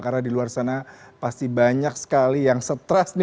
karena di luar sana pasti banyak sekali yang stress nih